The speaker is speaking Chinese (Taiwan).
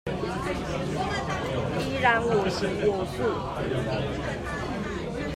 依然我行我素